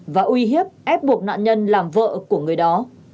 và uy hiếp ép buộc nạn nhân làm vợ của người đó